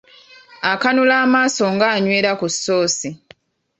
Akanula amaaso ng’anywera ku ssoosi.